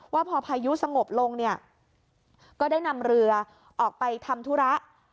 ว่าพอพายุสงบลงเนี่ยก็ได้นำเรือออกไปทำธุระ